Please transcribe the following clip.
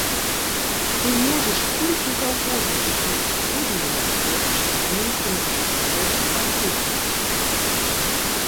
Ты можаш колькі заўгодна быць не згодным творча з нейкім рэжысёрам, артыстам.